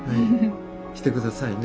して下さいね。